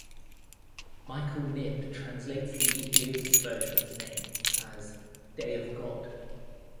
Michael Knibb translates the Ethiopic version of his name as "Day of God".